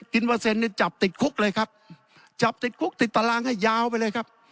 กินเปอร์เซ็นต์จับติดคุกเลยครับจับติดคุกติดตารางให้ยาวไปเลยครับ